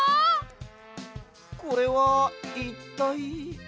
これはいったい？